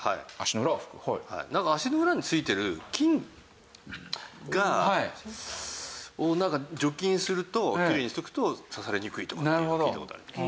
なんか足の裏についてる菌が除菌するときれいにしておくと刺されにくいとかって聞いた事あります。